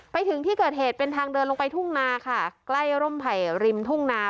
ไปถึงที่เกิดเหตุเป็นทางเดินลงไปทุ่งนาค่ะใกล้ร่มไผ่ริมทุ่งนา